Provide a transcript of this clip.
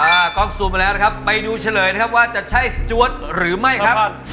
ค่ะกล้องสุดไปแล้วนะครับไปดูแล้วไปน้อยนะครับว่าจะใช่สติวด์หรือไม่ครับ